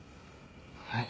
はい。